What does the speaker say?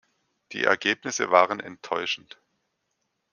Die Ergebnisse waren enttäuschend.